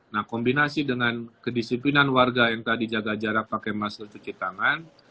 nah kombinasi dengan kedisiplinan warga yang tadi jaga jarak pakai masker cuci tangan